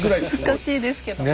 難しいですけどね。